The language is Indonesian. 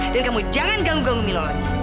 dan kamu jangan ganggu ganggu milo lagi